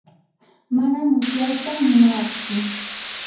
manam mutsyata munaatsu.